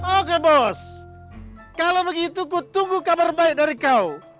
oke bos kalau begitu ku tunggu kabar baik dari kau